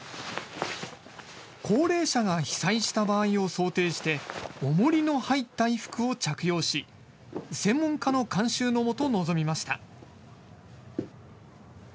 高齢者が被災した場合を想定しておもりの入った衣服を着用し専門家の監修のもと臨みました。